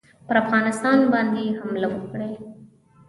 پر افغانستان باندي حمله وکړي.